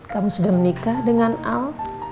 kami sudah menikah dengan al